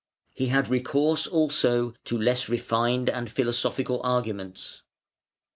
He had recourse also to less refined and philosophical arguments.